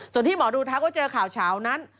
ส่วนที่หมอดูทักว่าเจอข่าวเฉานั้น